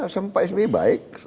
sama pak sby baik